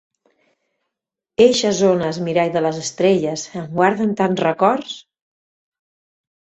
Eixes ones, mirall de les estrelles, em guarden tants records!